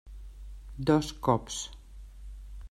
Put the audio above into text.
Dos cops.